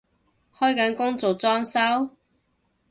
開緊工做裝修？